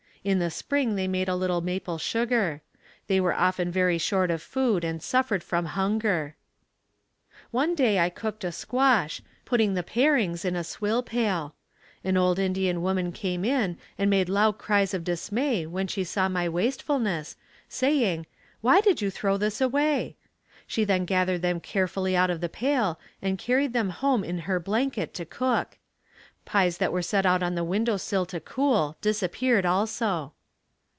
In the spring they made a little maple sugar. They were often very short of food and suffered from hunger. One day I cooked a squash, putting the parings in a swill pail. An old Indian woman came in and made loud cries of dismay when she saw my wastefulness, saying, "Why did you throw this away?" She then gathered them carefully out of the pail and carried them home in her blanket to cook. Pies that were set out on the window sill to cool disappeared also.